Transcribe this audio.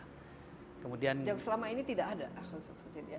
yang selama ini tidak ada akun sosialisasi